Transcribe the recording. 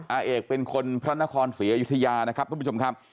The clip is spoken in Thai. อาเอกเป็นคนพระนครศรีอยุธยานะครับทุกผู้ชมครับ